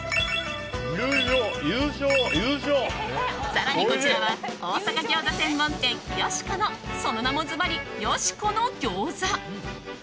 更にこちらは大阪餃子専門店よしこのその名もずばりよしこのぎょうざ。